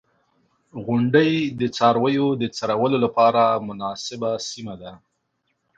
• غونډۍ د څارویو د څرولو لپاره مناسبه سیمه ده.